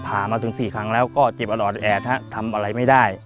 ผ่ามาถึง๔ครั้งแล้วก็เจ็บอรอดแอดฮะทำอะไรไม่ได้